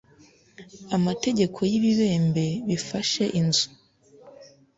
Amategeko y ibibembe bifashe inzu